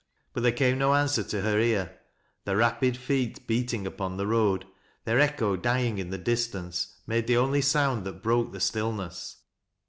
But there came no answer to her ear. The rapid feel beating upon the road, their echo dying in the distance, made the only sound that broke the stillness.